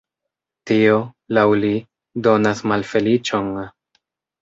Tio, laŭ li, donas malfeliĉon!